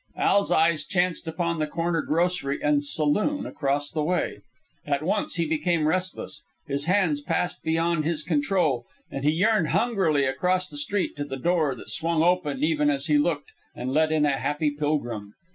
Al's eyes chanced upon the corner grocery and saloon across the way. At once he became restless. His hands passed beyond his control, and he yearned hungrily across the street to the door that swung open even as he looked and let in a happy pilgrim.